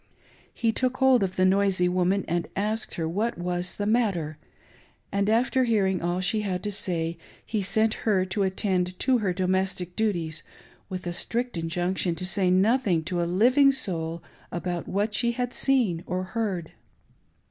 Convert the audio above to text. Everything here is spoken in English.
He took hold of the noisy woman and asked her what was the matter, and after hearing all she had to say he sent her to attend to her domestic duties, with a strict injunction to say nothing to a living soul about what she had seen or heard.